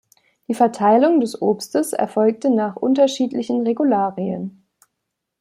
Die Verteilung des Obstes erfolgte nach unterschiedlichen Regularien.